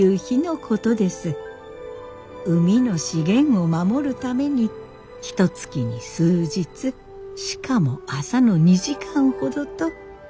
海の資源を守るためにひとつきに数日しかも朝の２時間ほどと決められているのです。